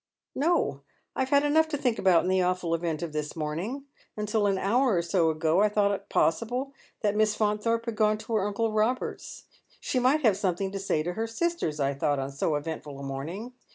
" No. I have had enough to think about in the awful event of this morning. Until an hour or so ago I thought it possible that Miss Faunthorpe had gone to her uncle Robert's. She might have something to say to her sisters, I thought, on so eventful a morning.